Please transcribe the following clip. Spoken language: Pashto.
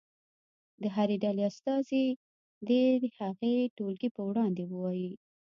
د هرې ډلې استازی دې هغه ټولګي په وړاندې ووایي.